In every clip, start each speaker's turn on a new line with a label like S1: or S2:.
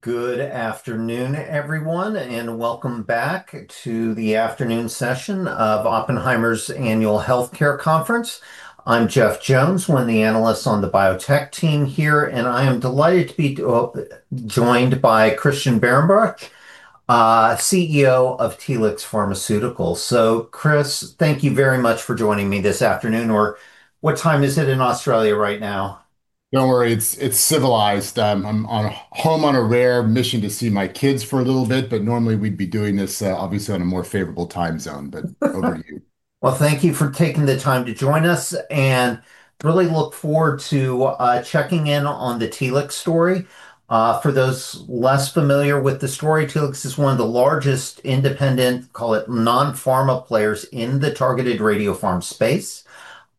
S1: Good afternoon, everyone. Welcome back to the afternoon session of Oppenheimer's Annual Healthcare Conference. I'm Jeff Jones, one of the analysts on the biotech team here. I am delighted to be joined by Christian Behrenbruch, CEO of Telix Pharmaceuticals. Chris, thank you very much for joining me this afternoon, or what time is it in Australia right now?
S2: Don't worry, it's civilized. I'm home on a rare mission to see my kids for a little bit, but normally we'd be doing this, obviously, on a more favorable time zone. Over to you.
S1: Well, thank you for taking the time to join us, and really look forward to checking in on the Telix story. For those less familiar with the story, Telix is one of the largest independent, call it, non-pharma players in the targeted radiopharm space.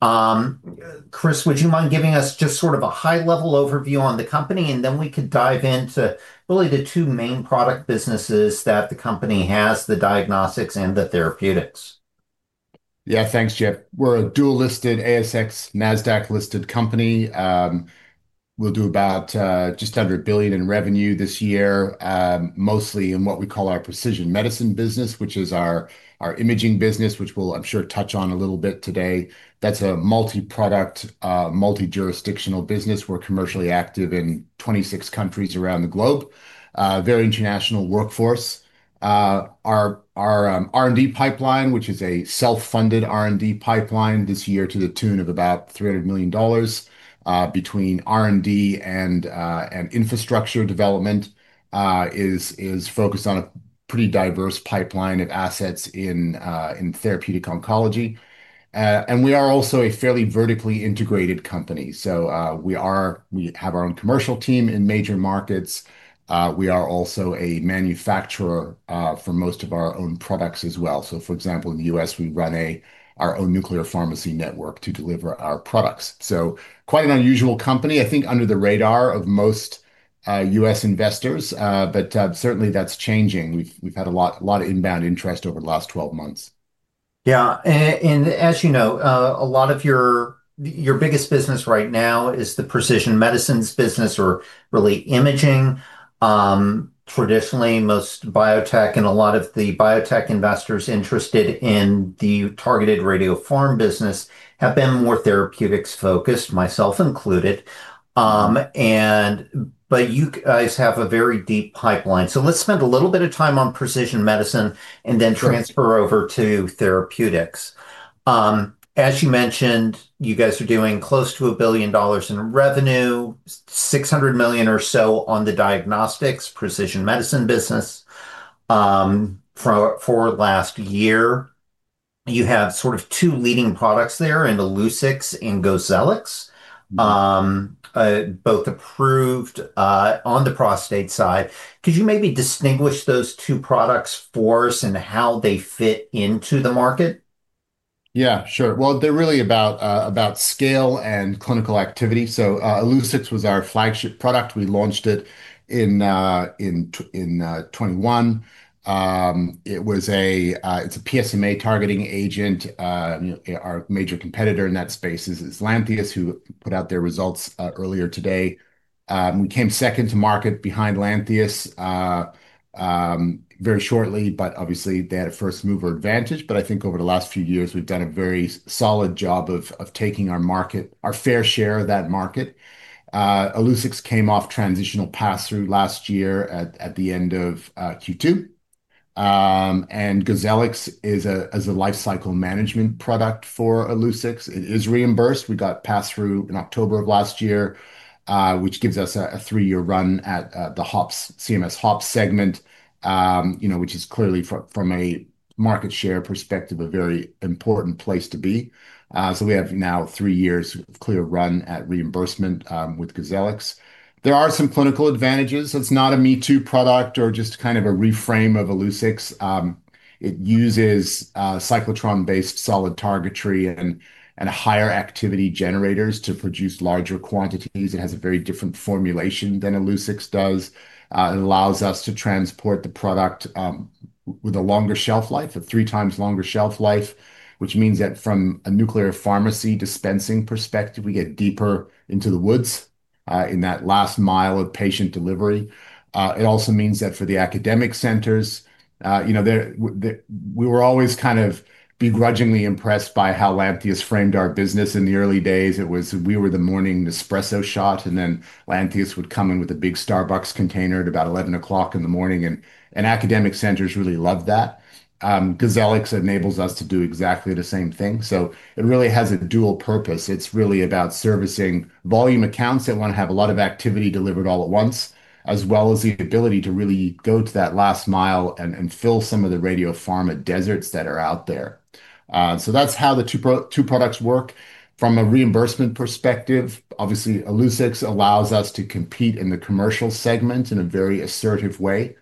S1: Chris, would you mind giving us just sort of a high-level overview on the company, and then we could dive into really the two main product businesses that the company has, the diagnostics and the therapeutics?
S2: Yeah, thanks, Jeff. We're a dual-listed ASX, NASDAQ-listed company. We'll do about just under $1 billion in revenue this year, mostly in what we call our precision medicine business, which is our imaging business, which we'll, I'm sure, touch on a little bit today. That's a multi-product, multi-jurisdictional business. We're commercially active in 26 countries around the globe. Very international workforce. Our R&D pipeline, which is a self-funded R&D pipeline this year, to the tune of about $300 million, between R&D and infrastructure development, is focused on a pretty diverse pipeline of assets in therapeutic oncology. We are also a fairly vertically integrated company. We have our own commercial team in major markets. We are also a manufacturer for most of our own products as well. For example, in the U.S., we run our own nuclear pharmacy network to deliver our products. Quite an unusual company, I think, under the radar of most U.S. investors, but certainly that's changing. We've had a lot of inbound interest over the last 12 months.
S1: Yeah. As you know, a lot of Your biggest business right now is the precision medicines business or really imaging. Traditionally, most biotech and a lot of the biotech investors interested in the targeted radiopharm business have been more therapeutics-focused, myself included. You guys have a very deep pipeline. Let's spend a little bit of time on precision medicine-
S2: Sure.
S1: Then transfer over to therapeutics. As you mentioned, you guys are doing close to $1 billion in revenue, $600 million or so on the diagnostics precision medicine business for last year. You have sort of two leading products there, in Illuccix and Gozellix.
S2: Mm.
S1: Both approved on the prostate side. Could you maybe distinguish those two products for us and how they fit into the market?
S2: Yeah, sure. Well, they're really about scale and clinical activity. Illuccix was our flagship product. We launched it in 2021. It was a, it's a PSMA-targeting agent. You know, our major competitor in that space is Lantheus, who put out their results earlier today. We came second to market behind Lantheus very shortly, but obviously, they had a first-mover advantage. I think over the last few years, we've done a very solid job of taking our market, our fair share of that market. Illuccix came off transitional pass-through last year at the end of Q2. Gozellix is a lifecycle management product for Illuccix. It is reimbursed. We got pass-through in October of last year, which gives us a three-year run at the HOPPS, CMS HOPPS segment, you know, which is clearly from a market share perspective, a very important place to be. We have now three years of clear run at reimbursement with Gozellix. There are some clinical advantages. It's not a me-too product or just kind of a reframe of Illuccix. It uses cyclotron-based solid targetry and higher activity generators to produce larger quantities. It has a very different formulation than Illuccix does. It allows us to transport the product with a longer shelf life, a three-times longer shelf life, which means that from a nuclear pharmacy dispensing perspective, we get deeper into the woods in that last mile of patient delivery. It also means that for the academic centers, you know, we were always kind of begrudgingly impressed by how Lantheus framed our business in the early days. We were the morning espresso shot, and then Lantheus would come in with a big Starbucks container at about 11:00 A.M., and academic centers really loved that. Gozellix enables us to do exactly the same thing, so it really has a dual purpose. It's really about servicing volume accounts that want to have a lot of activity delivered all at once, as well as the ability to really go to that last mile and fill some of the radiopharma deserts that are out there. That's how the two products work. From a reimbursement perspective, obviously, Illuccix allows us to compete in the commercial segment in a very assertive way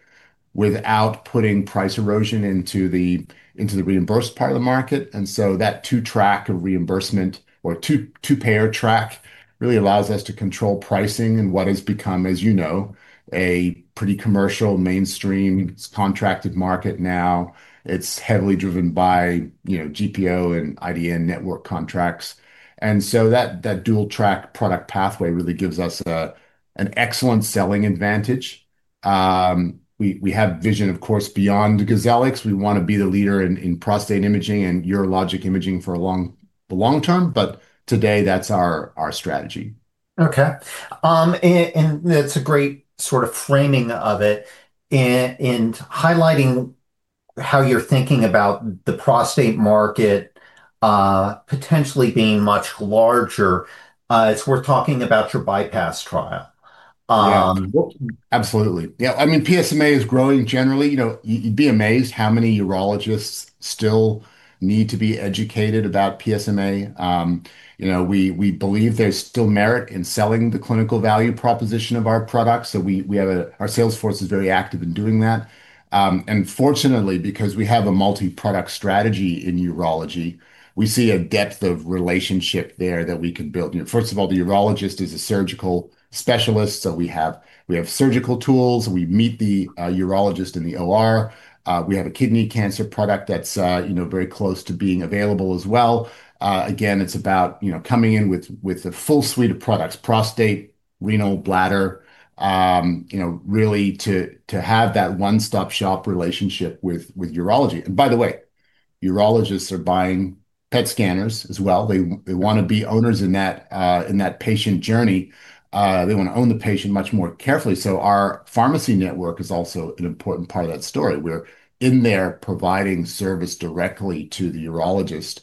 S2: without putting price erosion into the, into the reimbursed part of the market. So that two track of reimbursement or two-payer track really allows us to control pricing and what has become, as you know, a pretty commercial, mainstream, contracted market now. It's heavily driven by, you know, GPO and IDN network contracts. So that dual-track product pathway really gives us an excellent selling advantage. We have vision, of course, beyond Gozellix. We want to be the leader in prostate imaging and urologic imaging for the long term, today that's our strategy.
S1: Okay. And that's a great sort of framing of it and highlighting how you're thinking about the prostate market, potentially being much larger. It's worth talking about your BiPASS trial.
S2: Yeah. Absolutely. Yeah, I mean, PSMA is growing generally. You know, you'd be amazed how many urologists still need to be educated about PSMA. You know, we believe there's still merit in selling the clinical value proposition of our product, so our sales force is very active in doing that. Fortunately, because we have a multi-product strategy in urology, we see a depth of relationship there that we can build. You know, first of all, the urologist is a surgical specialist, so we have, we have surgical tools, and we meet the urologist in the OR. We have a kidney cancer product that's, you know, very close to being available as well. Again, it's about, you know, coming in with a full suite of products: prostate, renal, bladder, you know, really to have that one-stop-shop relationship with urology. By the way, urologists are buying PET scanners as well. They want to be owners in that patient journey. They want to own the patient much more carefully, so our pharmacy network is also an important part of that story. We're in there providing service directly to the urologist,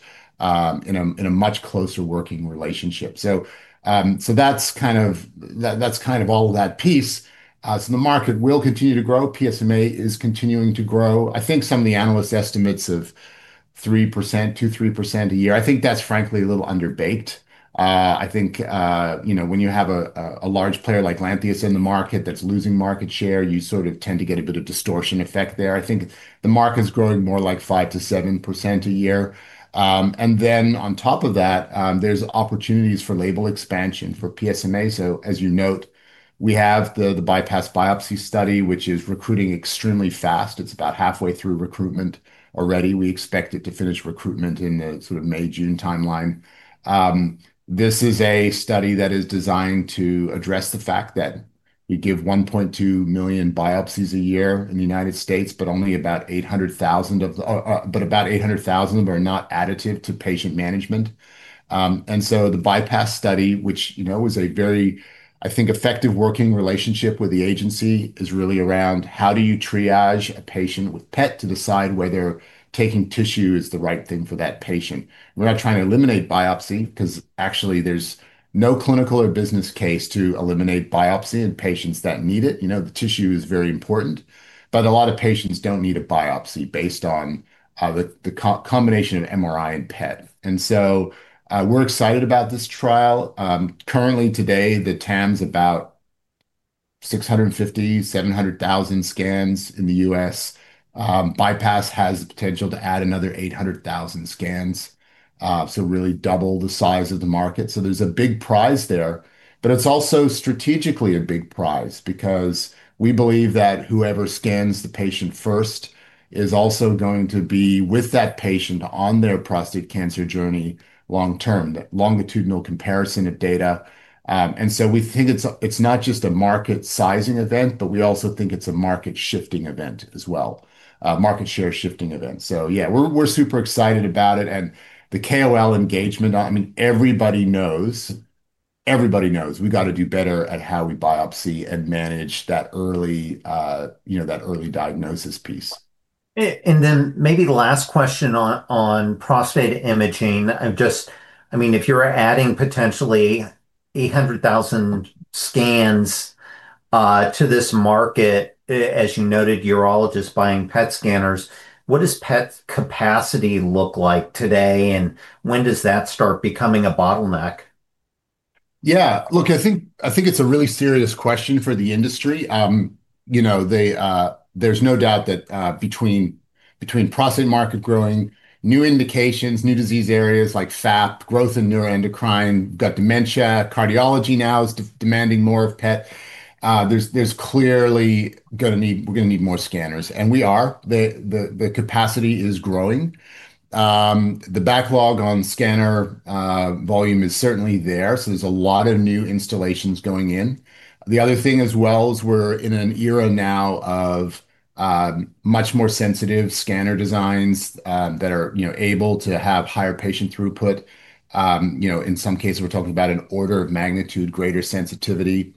S2: in a, in a much closer working relationship. That's kind of all of that piece. The market will continue to grow. PSMA is continuing to grow. I think some of the analyst estimates of 3%, 2%-3% a year, I think that's frankly a little underbaked. I think, you know, when you have a large player like Lantheus in the market that's losing market share, you sort of tend to get a bit of distortion effect there. I think the market's growing more like 5%-7% a year. On top of that, there's opportunities for label expansion for PSMA. As you note, we have the BiPASS biopsy study, which is recruiting extremely fast. It's about halfway through recruitment already. We expect it to finish recruitment in the sort of May, June timeline. This is a study that is designed to address the fact that we give 1.2 million biopsies a year in the United States, but only about 800,000 are not additive to patient management. The BiPASS study, which, you know, is a very, I think, effective working relationship with the FDA, is really around how do you triage a patient with PET to decide whether taking tissue is the right thing for that patient? We're not trying to eliminate biopsy, because actually there's no clinical or business case to eliminate biopsy in patients that need it. You know, the tissue is very important, a lot of patients don't need a biopsy based on the combination of MRI and PET. We're excited about this trial. Currently today, the TAM is about 650,000-700,000 scans in the U.S. BiPASS has the potential to add another 800,000 scans, really double the size of the market. There's a big prize there, but it's also strategically a big prize because we believe that whoever scans the patient first is also going to be with that patient on their prostate cancer journey long term, that longitudinal comparison of data. We think it's not just a market-sizing event, but we also think it's a market-shifting event as well, a market share shifting event. Yeah, we're super excited about it. The KOL engagement, I mean, everybody knows, everybody knows we've got to do better at how we biopsy and manage that early, you know, that early diagnosis piece.
S1: Then maybe the last question on prostate imaging, and just, I mean, if you're adding potentially 800,000 scans to this market, as you noted, urologists buying PET scanners, what does PET capacity look like today, and when does that start becoming a bottleneck?
S2: Yeah, look, I think, I think it's a really serious question for the industry. You know, they, there's no doubt that, between prostate market growing, new indications, new disease areas like FAP, growth in neuroendocrine, got dementia, cardiology now is demanding more of PET. There's clearly we're gonna need more scanners, and we are. The capacity is growing. The backlog on scanner volume is certainly there, so there's a lot of new installations going in. The other thing as well is we're in an era now of much more sensitive scanner designs, that are, you know, able to have higher patient throughput. You know, in some cases, we're talking about an order of magnitude, greater sensitivity.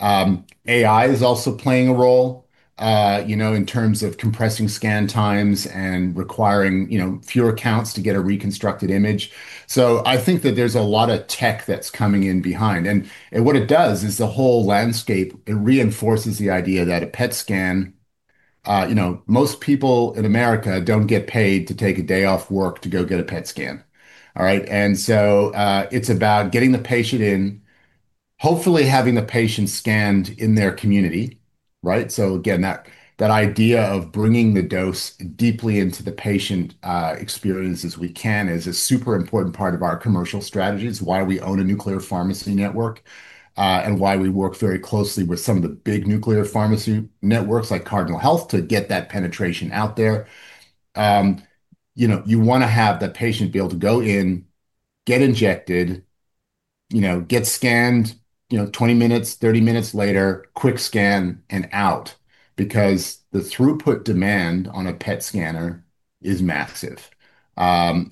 S2: AI is also playing a role, you know, in terms of compressing scan times and requiring, you know, fewer counts to get a reconstructed image. I think that there's a lot of tech that's coming in behind, and what it does is, the whole landscape, it reinforces the idea that a PET scan. You know, most people in America don't get paid to take a day off work to go get a PET scan. All right? It's about getting the patient in, hopefully having the patient scanned in their community, right? Again, that idea of bringing the dose deeply into the patient experience as we can is a super important part of our commercial strategy. It's why we own a nuclear pharmacy network, and why we work very closely with some of the big nuclear pharmacy networks, like Cardinal Health, to get that penetration out there. You know, you wanna have the patient be able to go in, get scanned, you know, 20 minutes, 30 minutes later, quick scan and out. The throughput demand on a PET scanner is massive, and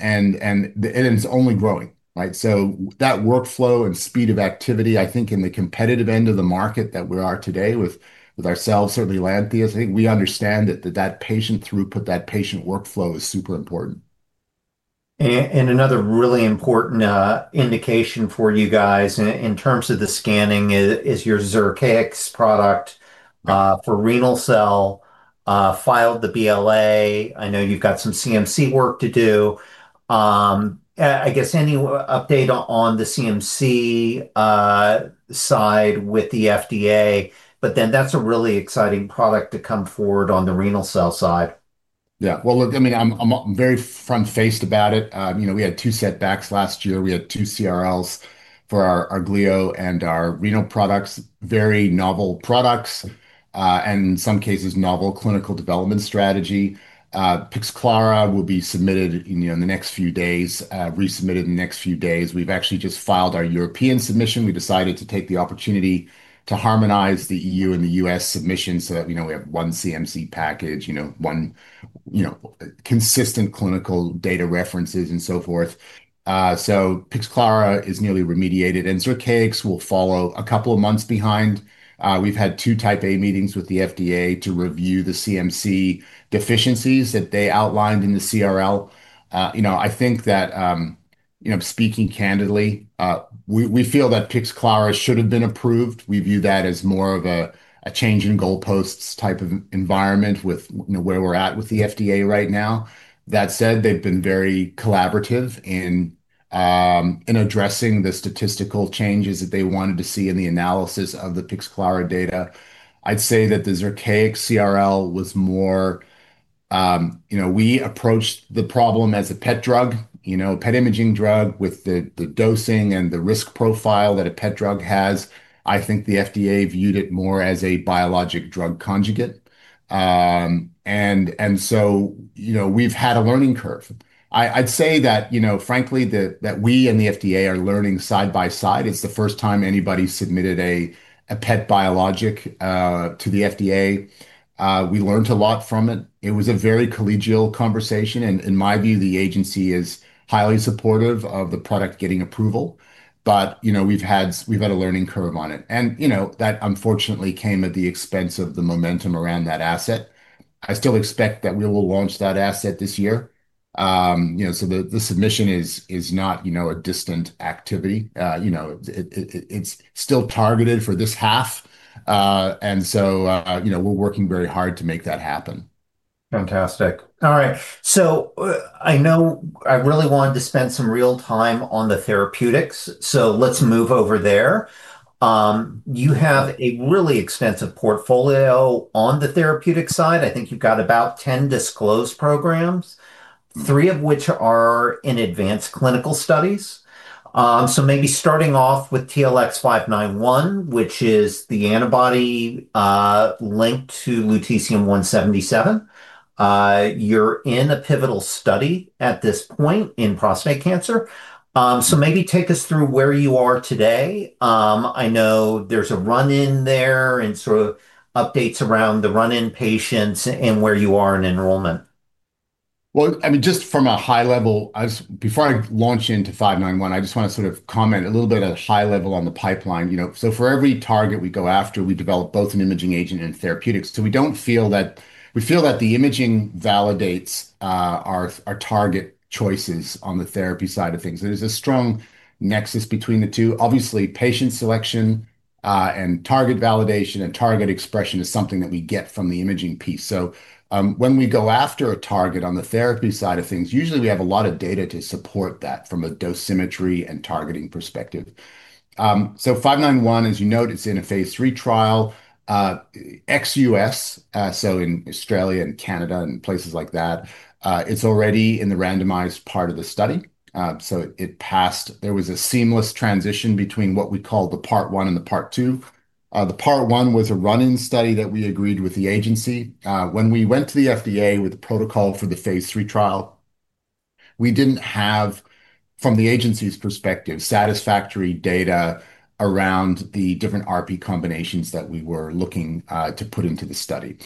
S2: it's only growing, right? That workflow and speed of activity, I think in the competitive end of the market that we are today with ourselves, certainly Lantheus, I think we understand that patient throughput, that patient workflow is super important.
S1: Another really important indication for you guys in terms of the scanning is your Zircaix product for renal cell filed the BLA. I know you've got some CMC work to do. I guess any update on the CMC side with the FDA? That's a really exciting product to come forward on the renal cell side.
S2: Yeah. Well, look, I mean, I'm very front-faced about it. You know, we had two setbacks last year. We had two CRLs for our glio and our renal products, very novel products, and in some cases, novel clinical development strategy. Pixclara will be submitted, you know, in the next few days, resubmitted in the next few days. We've actually just filed our European submission. We decided to take the opportunity to harmonize the EU and the US submission so that, you know, we have one CMC package, you know, one, you know, consistent clinical data references, and so forth. Pixclara is nearly remediated, and Zircaix will follow a couple of months behind. We've had two Type A meetings with the FDA to review the CMC deficiencies that they outlined in the CRL. You know, I think that, you know, speaking candidly, we feel that Pixclara should have been approved. We view that as more of a change in goalposts type of environment with, you know, where we're at with the FDA right now. That said, they've been very collaborative in addressing the statistical changes that they wanted to see in the analysis of the Pixclara data. I'd say that the Zircaix CRL was more, you know, we approached the problem as a PET drug, you know, a PET imaging drug with the dosing and the risk profile that a PET drug has. I think the FDA viewed it more as a biologic drug conjugate. You know, we've had a learning curve. I'd say that, you know, frankly, that we and the FDA are learning side by side. It's the first time anybody submitted a PET biologic to the FDA. We learned a lot from it. It was a very collegial conversation, and in my view, the agency is highly supportive of the product getting approval. You know, we've had a learning curve on it. You know, that unfortunately came at the expense of the momentum around that asset. I still expect that we will launch that asset this year. You know, the submission is not, you know, a distant activity. You know, it's still targeted for this half. You know, we're working very hard to make that happen.
S1: Fantastic. All right, I know I really wanted to spend some real time on the therapeutics, so let's move over there. You have a really extensive portfolio on the therapeutic side. I think you've got about 10 disclosed programs, three of which are in advanced clinical studies. Maybe starting off with TLX591, which is the antibody linked to lutetium-177. You're in a pivotal study at this point in prostate cancer. Maybe take us through where you are today. I know there's a run-in there, and sort of updates around the run-in patients and where you are in enrollment.
S2: Well, I mean, just from a high level, before I launch into 591, I just wanna sort of comment a little bit at a high level on the pipeline, you know. For every target we go after, we develop both an imaging agent and therapeutics. We feel that the imaging validates our target choices on the therapy side of things. There is a strong nexus between the two. Obviously, patient selection and target validation and target expression is something that we get from the imaging piece. When we go after a target on the therapy side of things, usually we have a lot of data to support that from a dosimetry and targeting perspective. 591, as you note, it's in a phase III trial, ex U.S., in Australia and Canada and places like that. It's already in the randomized part of the study, it passed. There was a seamless transition between what we call the part one and the part two. The part one was a run-in study that we agreed with the agency. When we went to the FDA with the protocol for the phase III trial, we didn't have, from the agency's perspective, satisfactory data around the different RP combinations that we were looking to put into the study.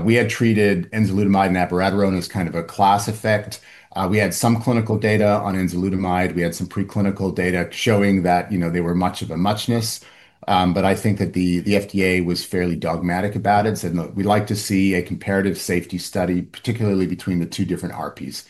S2: We had treated enzalutamide and abiraterone as kind of a class effect. We had some clinical data on enzalutamide. We had some preclinical data showing that, you know, they were much of a muchness. I think that the FDA was fairly dogmatic about it, and said, "Look, we'd like to see a comparative safety study, particularly between the two different RPs."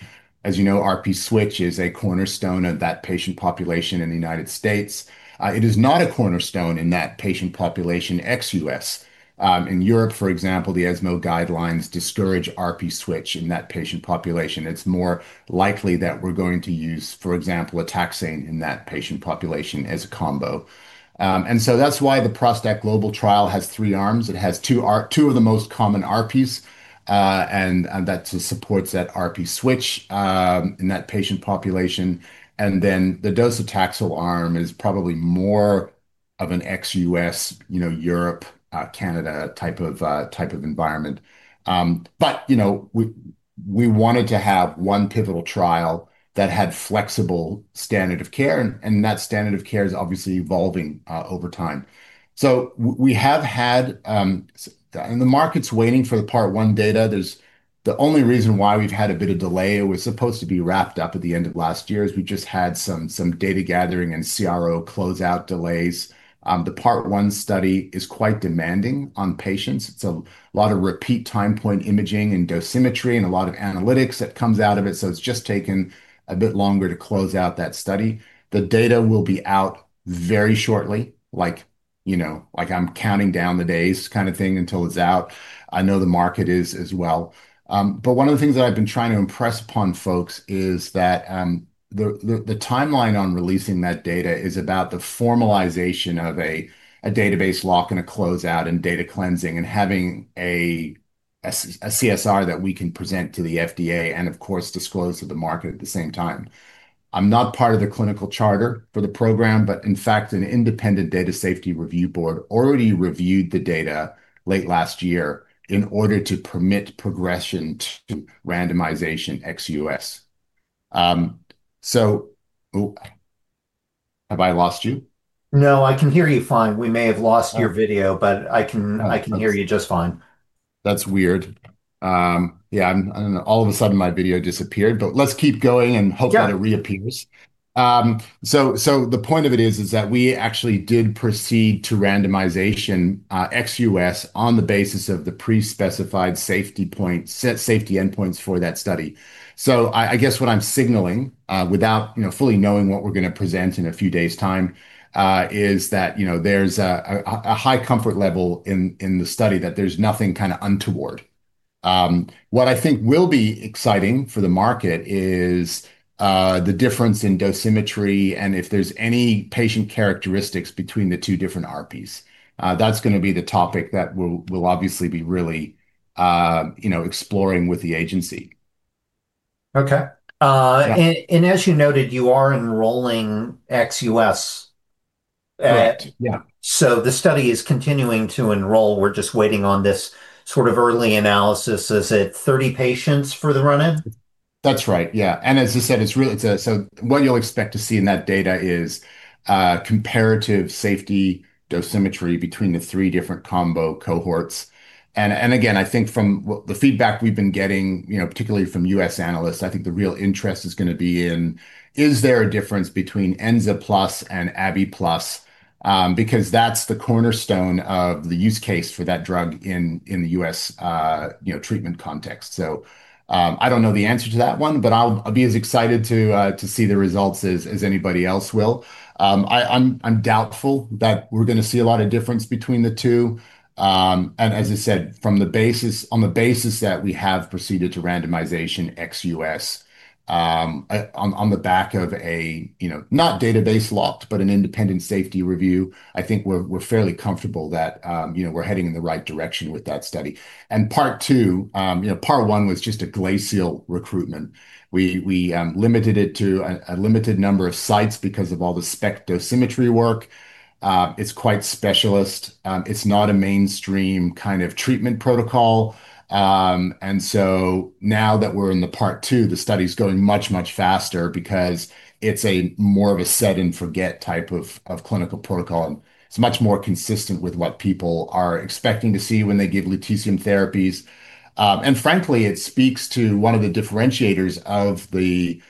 S2: As you know, RP switch is a cornerstone of that patient population in the United States. It is not a cornerstone in that patient population, ex-US. In Europe, for example, the ESMO guidelines discourage RP switch in that patient population. It's more likely that we're going to use, for example, a taxane in that patient population as a combo. That's why the ProstACT global trial has three arms. It has two of the most common RPs, and that supports that RP switch in that patient population. Then, the docetaxel arm is probably more of an ex-US, you know, Europe, Canada type of environment. You know, we wanted to have one pivotal trial that had flexible standard of care, and that standard of care is obviously evolving over time. We have had, and the market's waiting for the Part One data. The only reason why we've had a bit of delay, it was supposed to be wrapped up at the end of last year, is we just had some data gathering and CRO closeout delays. The Part One study is quite demanding on patients. It's a lot of repeat time point imaging and dosimetry, and a lot of analytics that comes out of it, so it's just taken a bit longer to close out that study. The data will be out very shortly, like, you know, like I'm counting down the days kind of thing until it's out. I know the market is as well. One of the things that I've been trying to impress upon folks is that the timeline on releasing that data is about the formalization of a database lock, and a closeout, and data cleansing, and having a CSR that we can present to the FDA, and of course, disclose to the market at the same time. I'm not part of the clinical charter for the program, but in fact, an independent data safety review board already reviewed the data late last year in order to permit progression to randomization ex-U.S. Have I lost you?
S1: No, I can hear you fine. We may have lost your video.
S2: Oh.
S1: I can, I can hear you just fine.
S2: That's weird. Yeah. All of a sudden, my video disappeared. Let's keep going.
S1: Yeah
S2: It reappears. The point of it is that we actually did proceed to randomization ex-US on the basis of the pre-specified safety endpoints for that study. I guess what I'm signaling, without, you know, fully knowing what we're gonna present in a few days' time, is that, you know, there's a high comfort level in the study, that there's nothing kind of untoward. What I think will be exciting for the market is the difference in dosimetry, and if there's any patient characteristics between the two different ARPs. That's gonna be the topic that we'll obviously be really, you know, exploring with the agency.
S1: Okay.
S2: Yeah.
S1: As you noted, you are enrolling ex-US.
S2: Correct, yeah.
S1: The study is continuing to enroll. We're just waiting on this sort of early analysis. Is it 30 patients for the run-in?
S2: That's right, yeah. As you said, it's really. So what you'll expect to see in that data is comparative safety dosimetry between the three different combo cohorts. Again, I think from what the feedback we've been getting, you know, particularly from U.S. analysts, I think the real interest is gonna be in: Is there a difference between Enza plus and Abi plus? Because that's the cornerstone of the use case for that drug in the U.S., you know, treatment context. I don't know the answer to that one, but I'll be as excited to see the results as anybody else will. I'm doubtful that we're gonna see a lot of difference between the two. As I said, on the basis that we have proceeded to randomization ex-U.S., on the back of a, you know, not database locked, but an independent safety review, I think we're fairly comfortable that, you know, we're heading in the right direction with that study. Part Two, you know, Part One was just a glacial recruitment. We limited it to a limited number of sites because of all the SPECT dosimetry work. It's quite specialist. It's not a mainstream kind of treatment protocol. Now that we're in the Part Two, the study's going much faster because it's a more of a set and forget type of clinical protocol, and it's much more consistent with what people are expecting to see when they give lutetium therapies. Frankly, it speaks to one of the differentiators of the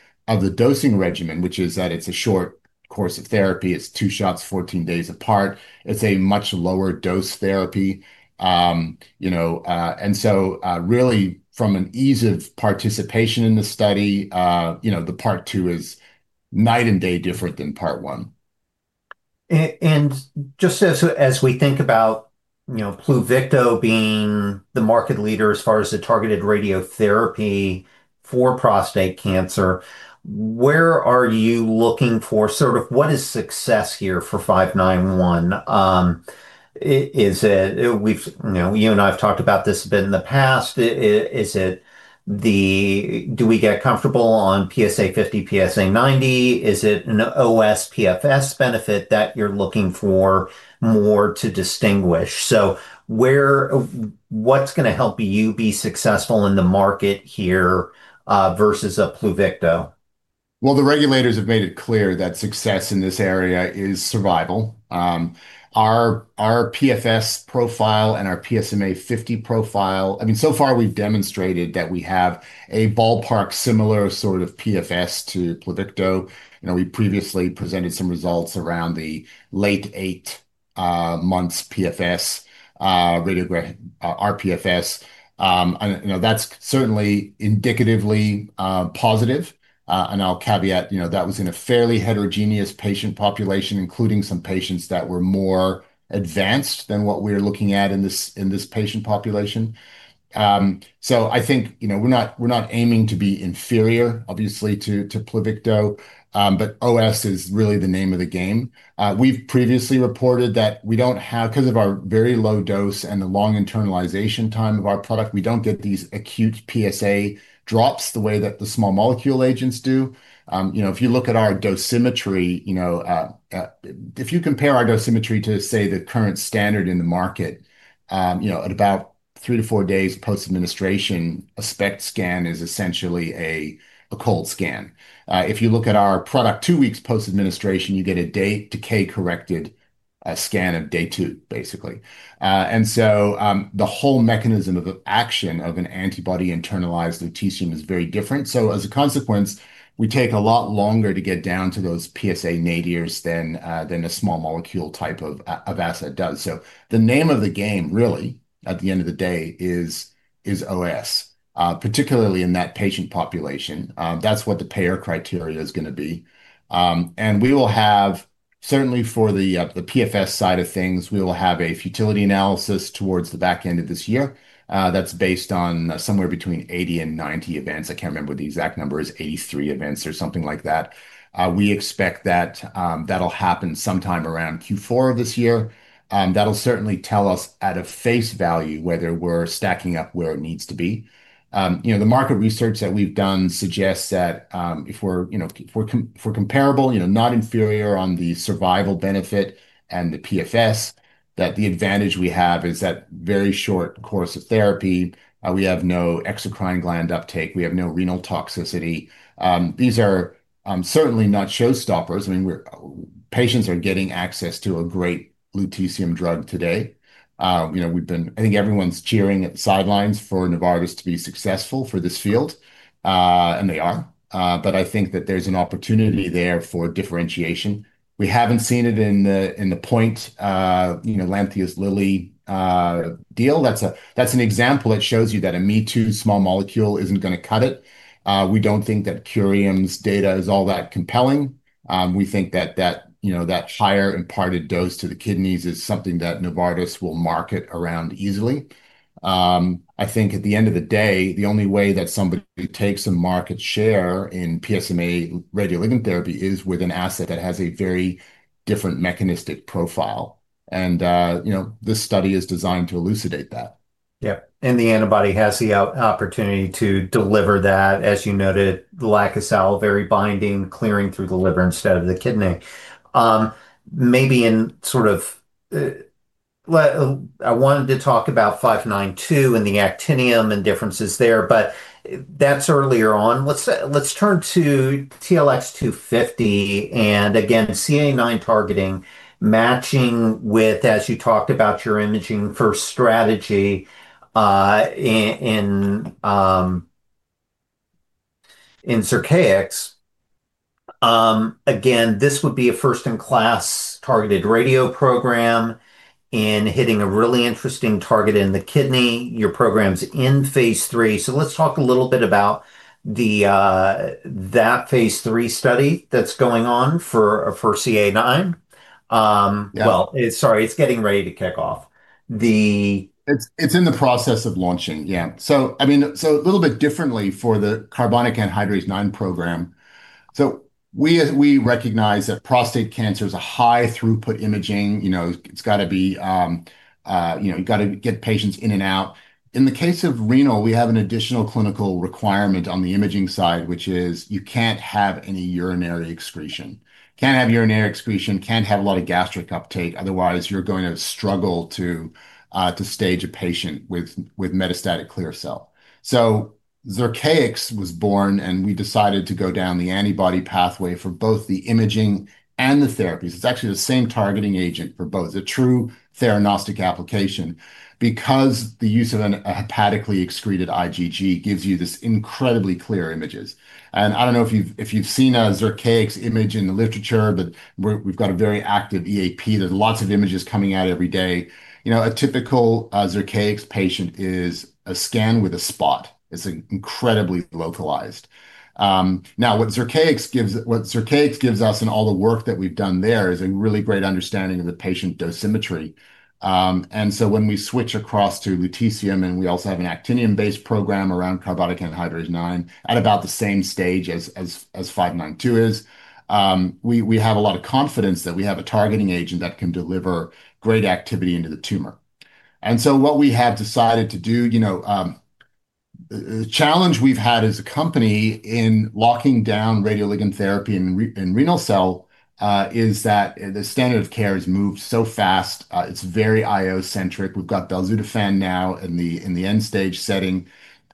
S2: dosing regimen, which is that it's a short course of therapy. It's two shots, 14 days apart. It's a much lower dose therapy. You know, really from an ease of participation in the study, you know, the Part two is night and day different than Part one.
S1: Just as we think about, you know, Pluvicto being the market leader as far as the targeted radiotherapy for prostate cancer, where are you looking for? Sort of what is success here for five nine one? Is it, you know, you and I have talked about this a bit in the past. Is it the, "Do we get comfortable on PSA 50, PSA 90?" Is it an OS, PFS benefit that you're looking for more to distinguish? What's gonna help you be successful in the market here versus a Pluvicto?
S2: Well, the regulators have made it clear that success in this area is survival. Our PFS profile and our PSMA 50 profile... I mean, so far we've demonstrated that we have a ballpark similar sort of PFS to Pluvicto. You know, we previously presented some results around the late eight months PFS, RPFS. You know, that's certainly indicatively positive. I'll caveat, you know, that was in a fairly heterogeneous patient population, including some patients that were more advanced than what we're looking at in this patient population. I think, you know, we're not aiming to be inferior, obviously, to Pluvicto, but OS is really the name of the game. We've previously reported that we don't have 'cause of our very low dose and the long internalization time of our product, we don't get these acute PSA drops the way that the small molecule agents do. You know, if you look at our dosimetry, you know, if you compare our dosimetry to, say, the current standard in the market, you know, at about three to four days post-administration, a SPECT scan is essentially a cold scan. If you look at our product two weeks post-administration, you get a day decay-corrected scan of day two, basically. The whole mechanism of action of an antibody internalized lutetium is very different. As a consequence, we take a lot longer to get down to those PSA nadirs than a small molecule type of asset does. The name of the game really, at the end of the day, is OS, particularly in that patient population. That's what the payer criteria is gonna be. We will have, certainly for the PFS side of things, we will have a futility analysis towards the back end of this year. That's based on somewhere between 80 and 90 events. I can't remember the exact numbers, 83 events or something like that. We expect that that'll happen sometime around Q4 of this year. That'll certainly tell us at a face value, whether we're stacking up where it needs to be. You know, the market research that we've done suggests that, if we're, you know, if we're comparable, you know, not inferior on the survival benefit and the PFS, that the advantage we have is that very short course of therapy. We have no exocrine gland uptake. We have no renal toxicity. These are certainly not showstoppers. I mean, patients are getting access to a great lutetium drug today. You know, I think everyone's cheering at the sidelines for Novartis to be successful for this field, and they are. I think that there's an opportunity there for differentiation. We haven't seen it in the, in the point, you know, Lantheus Lilly deal. That's an example that shows you that a me-too small molecule isn't gonna cut it. We don't think that Curium's data is all that compelling. We think that, you know, that higher imparted dose to the kidneys is something that Novartis will market around easily. I think at the end of the day, the only way that somebody takes a market share in PSMA radioligand therapy is with an asset that has a very different mechanistic profile. You know, this study is designed to elucidate that.
S1: Yeah, the antibody has the opportunity to deliver that, as you noted, the lack of salivary binding, clearing through the liver instead of the kidney. Maybe in sort of, well, I wanted to talk about TLX592 and the actinium and differences there, that's earlier on. Let's turn to TLX250, again, CA9 targeting, matching with, as you talked about, your imaging first strategy in Zircaix. Again, this would be a first-in-class targeted radio program in hitting a really interesting target in the kidney, your programs in phase III. Let's talk a little about the that phase III study that's going on for CA9.
S2: Yeah.
S1: Well, sorry, it's getting ready to kick off.
S2: It's in the process of launching. Yeah. I mean, a little bit differently for the carbonic anhydrase IX program. We recognize that prostate cancer is a high throughput imaging, you know, it's gotta be, you know, you've got to get patients in and out. In the case of renal, we have an additional clinical requirement on the imaging side, which is you can't have any urinary excretion. Can't have urinary excretion, can't have a lot of gastric uptake, otherwise, you're going to struggle to stage a patient with metastatic clear cell. Zircaix was born, and we decided to go down the antibody pathway for both the imaging and the therapies. It's actually the same targeting agent for both, a true theranostic application, because the use of a hepatically excreted IgG gives you this incredibly clear images. I don't know if you've, if you've seen a Zircaix image in the literature, but we've got a very active EAP. There's lots of images coming out every day. You know, a typical Zircaix patient is a scan with a spot. It's incredibly localized. Now, what Zircaix gives us and all the work that we've done there is a really great understanding of the patient dosimetry. When we switch across to lutetium, and we also have an actinium-based program around carbonic anhydrase nine, at about the same stage as five nine two is, we have a lot of confidence that we have a targeting agent that can deliver great activity into the tumor. What we have decided to do, you know... The challenge we've had as a company in locking down radioligand therapy in renal cell is that the standard of care has moved so fast. It's very IO-centric. We've got belzutifan now in the end stage setting.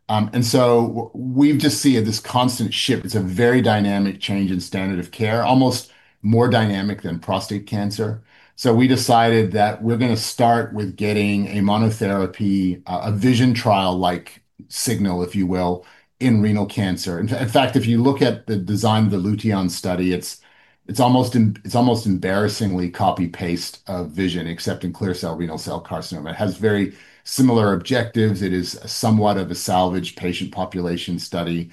S2: We've just seen this constant shift. It's a very dynamic change in standard of care, almost more dynamic than prostate cancer. So we decided that we're gonna start with getting a monotherapy, a VISION trial-like signal, if you will, in renal cancer. In fact, if you look at the design of the LUTEON study, it's almost embarrassingly copy-paste of VISION, except in clear cell renal cell carcinoma. It has very similar objectives. It is somewhat of a salvaged patient population study.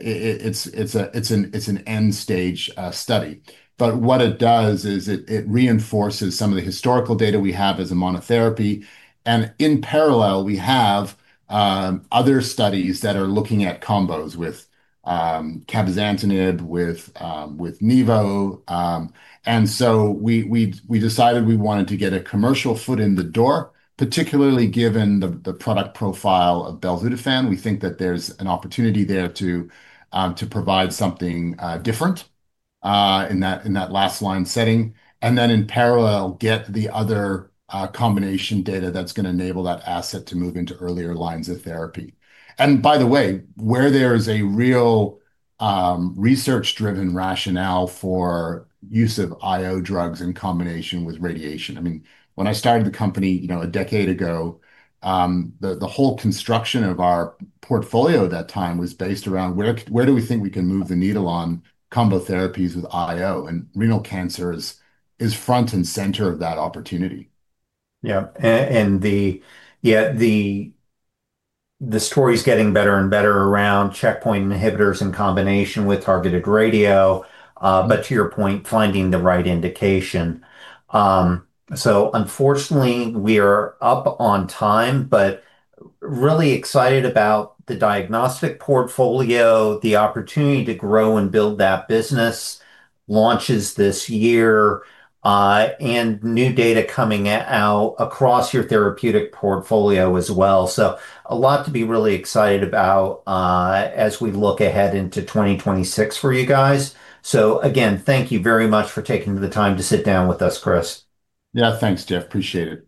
S2: It's a, it's an end-stage study. What it does is it reinforces some of the historical data we have as a monotherapy, and in parallel, we have other studies that are looking at combos with cabozantinib, with nivo. We decided we wanted to get a commercial foot in the door, particularly given the product profile of belzutifan. We think that there's an opportunity there to provide something different in that last line setting, and then in parallel, get the other combination data that's gonna enable that asset to move into earlier lines of therapy. By the way, where there is a real, research-driven rationale for use of IO drugs in combination with radiation, I mean, when I started the company, you know, a decade ago, the whole construction of our portfolio at that time was based around where do we think we can move the needle on combo therapies with IO? Renal cancer is front and center of that opportunity.
S1: The story's getting better and better around checkpoint inhibitors in combination with targeted radio, to your point, finding the right indication. Unfortunately, we're up on time, but really excited about the diagnostic portfolio, the opportunity to grow and build that business, launches this year, and new data coming out across your therapeutic portfolio as well. A lot to be really excited about as we look ahead into 2026 for you guys. Again, thank you very much for taking the time to sit down with us, Chris.
S2: Yeah, thanks, Jeff. Appreciate it.
S1: Take care.